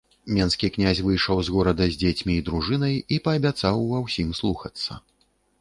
Менскі князь выйшаў з горада з дзецьмі і дружынай і паабяцаў ва ўсім слухацца.